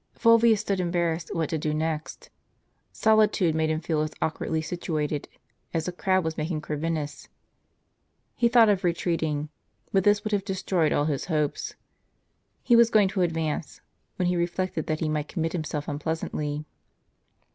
Fulvius stood embarrassed what to do next. Solitude made him feel as awkwardly situated, as a crowd was making Corvinus. He thought of retreating, but this would have destroyed all his hopes; he was going to advance, when he reflected that he might commit himself unpleasantly.